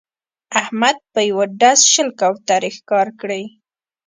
احمد په یوه ډز شل کوترې ښکار کړې